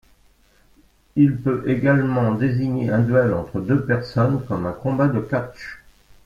Il peut également désigner un duel entre deux personnes, comme un combat de catch.